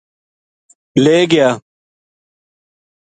لے گیا